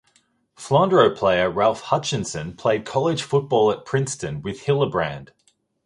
Flandreau player Ralph Hutchinson played college football at Princeton with Hillebrand.